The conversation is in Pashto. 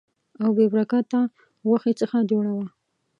او بې برکته غوښې څخه جوړه وه.